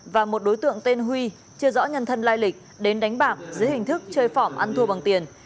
và một đối tượng tên huy chưa rõ nhân thân lai lịch đến đánh bạc dưới hình thức chơi phỏ ăn thua bằng tiền